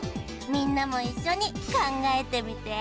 みんなもいっしょにかんがえてみて。